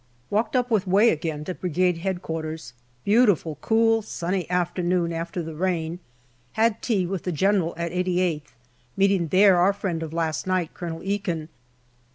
Walked up with Way again to Brigade H.Q. Beautiful cool, sunny afternoon after the rain. Had tea with the General at 88th, meeting there our friend of last night, Colonel Ekin.